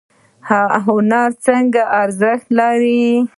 هنر څه ارزښت لري؟